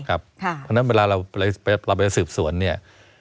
เพราะฉะนั้นเวลาเราไปสืบสวนเนี่ย